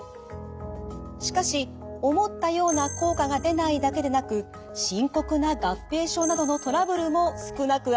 しかし思ったような効果が出ないだけでなく深刻な合併症などのトラブルも少なくありません。